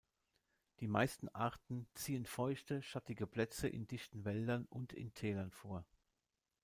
Die meisten Arten ziehen feuchte, schattige Plätze in dichten Wäldern und in Tälern vor.